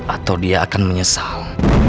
atau dia akan menyesal